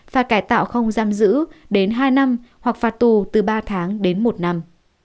phạt cải tạo không giam giữ đến hai năm hoặc phạt tù từ ba tháng đến một năm